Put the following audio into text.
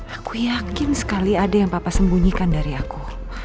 aku yakin sekali ada yang papa sembunyikan dari aku